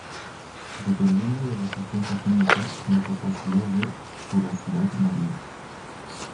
Dependiendo de la sustancia química, la capacidad de fugacidad varía.